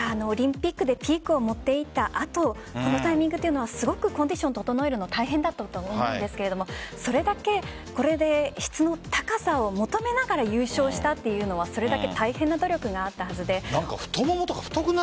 オリンピックでピークを持っていった後このタイミングというのはすごくコンディションを整えるのは大変だと思うんですがこれで質の高さを求めながら優勝したというのはそれだけ大変な努力があったはずで。